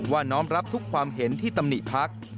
น้อมรับทุกความเห็นที่ตำหนิพัก